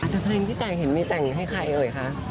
แต่เพลงที่แต่งเห็นมีแต่งให้ใครเอ่ยคะ